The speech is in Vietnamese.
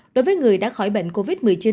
đối với người đã khỏi bệnh covid một mươi chín